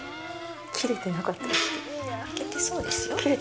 切れてなかったりして。